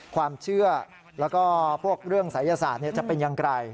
ความเชื่อแล้วก็พวกเรื่องศัยศาสตร์จะเป็นอย่างไร